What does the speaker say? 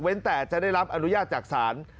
แต่จะได้รับอนุญาตจากศาล